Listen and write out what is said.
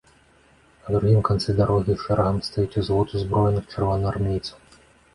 На другім канцы дарогі шэрагам стаіць узвод узброеных чырвонаармейцаў.